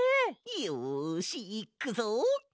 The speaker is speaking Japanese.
よしいっくぞ！